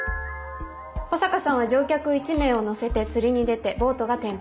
保坂さんは乗客１名を乗せて釣りに出てボートが転覆。